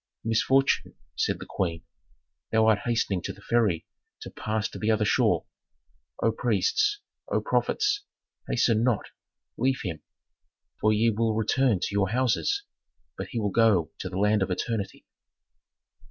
"Misfortune," said the queen, "thou art hastening to the ferry to pass to the other shore! O priests, O prophets, hasten not, leave him; for ye will return to your houses, but he will go to the land of eternity."